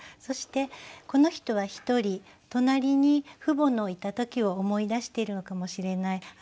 そしてこの人は１人隣に父母のいた時を思い出しているのかもしれない。